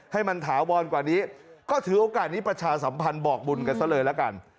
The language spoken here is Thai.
ให้มันถาวรกว่านี้ก็ถือโอกาสนี้ประชาสัมพันธ์บอกบุญกันซะเลยละกัน